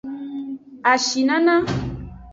Ashinana.